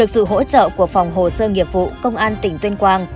sự hỗ trợ của phòng hồ sơ nghiệp vụ công an tỉnh tuyên quang